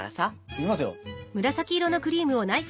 いきますよ。